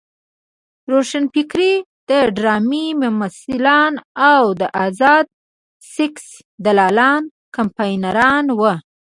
د روښانفکرۍ د ډرامې ممثلان او د ازاد سیکس دلالان کمپاینران وو.